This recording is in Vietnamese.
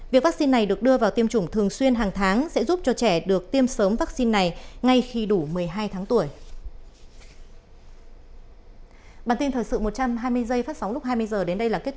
việc vaccine này được đưa vào tiêm chủng thường xuyên hàng tháng sẽ giúp cho trẻ được tiêm sớm vaccine này ngay khi đủ một mươi hai tháng tuổi